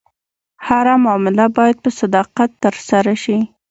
هره معامله باید په صداقت ترسره شي.